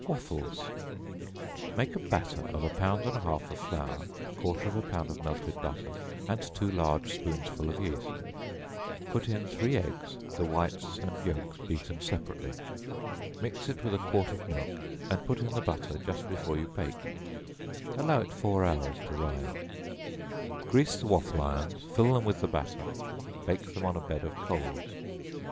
Waffles. Make a batter of a pound and a half of flour, quarter of a pound of melted butter, and two large spoonsful of yeast; put in three eggs, the whites and yelks beaten separately; mix it with a quart of milk, and put in the butter just before you bake, allow it four hours to rise; grease the waffle irons, fill them with the batter bake them on a bed of coals.